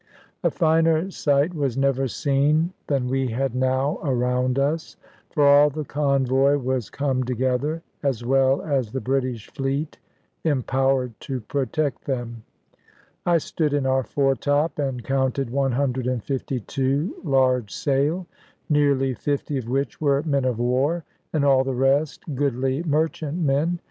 A finer sight was never seen than we had now around us; for all the convoy was come together, as well as the British fleet empowered to protect them. I stood in our foretop and counted 152 large sail, nearly 50 of which were men of war, and all the rest goodly merchantmen.